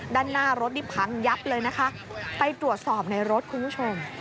ด้านหน้ารถนี่พังยับเลยนะคะไปตรวจสอบในรถคุณผู้ชม